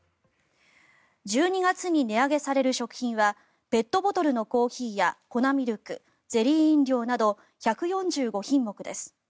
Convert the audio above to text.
１２月に値上げされる食品はペットボトルのコーヒーや粉ミルク、ゼリー飲料など１４５品目です。